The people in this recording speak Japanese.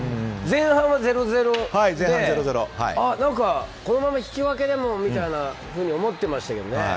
前半は０−０で、何かこのまま引き分けでもみたいに思ってましたけどね。